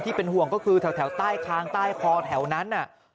ที่เป็นห่วงก็คือแถวใต้คางใต้คอแถวนั้น